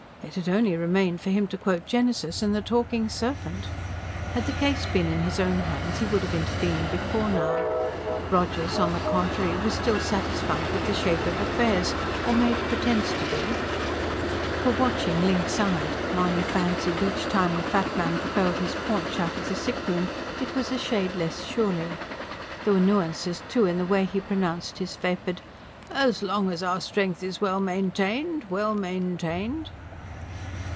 It had only remained for him to quote Genesis, and the talking serpent! Had the case been in his own hands he would have intervened before now. Rogers, on the contrary, was still satisfied with the shape of affairs or made pretence to be. For, watching lynx eyed, Mahony fancied each time the fat man propelled his paunch out of the sickroom it was a shade less surely: there were nuances, too, in the way he pronounced his vapid: "As long as our strength is well maintained ... well maintained."